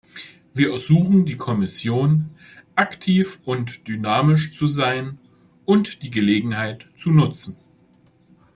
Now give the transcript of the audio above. Wir ersuchen die Kommission, aktiv und dynamisch zu sein und die Gelegenheit zu nutzen.